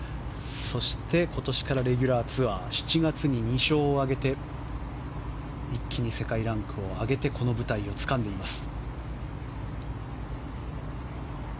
そして、今年からレギュラーツアー７月に２勝を挙げて一気に世界ランクを上げてこの舞台をつかんでいます。